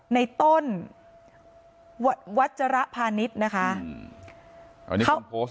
ในต้นวัชรพาณิชนะคะ